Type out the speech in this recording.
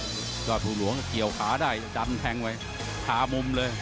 ยอดภูหลวงก็เกี่ยวขาได้ดำแทงไว้ขามุมเลย